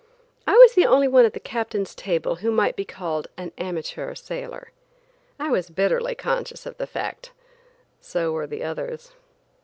I was the only one at the Captain's table who might be called an amateur sailor. I was bitterly conscious of this fact. So were the others.